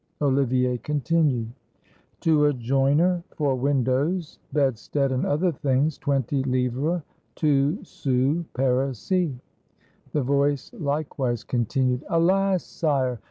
Olivier continued: — "To a joiner for windows, bedstead, and other things, twenty livres, two sous parisis." The voice likewise continued: "Alas! sire!